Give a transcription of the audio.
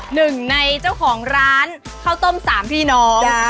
หนึ่งในเจ้าของร้านข้าวต้มสามพี่น้อง